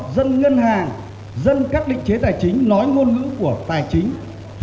dân ngân hàng dân các định chế tài chính nói ngôn ngữ của tài chính